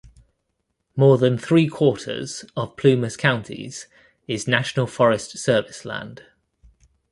More than three-quarters of Plumas County's is National Forest Service land.